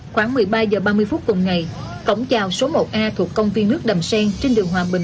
khoảng một mươi ba h ba mươi phút cùng ngày cổng trào số một a thuộc công viên nước đầm sen trên đường hòa bình